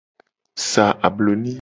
Sa abloni.